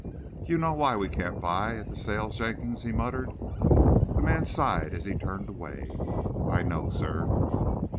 "You know why we can't buy at the sales, Jenkins," he muttered. The man sighed as he turned away. "I know, sir."